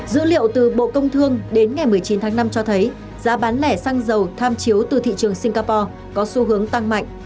dữ liệu từ bộ công thương đến ngày một mươi chín tháng năm cho thấy giá bán lẻ xăng dầu tham chiếu từ thị trường singapore có xu hướng tăng mạnh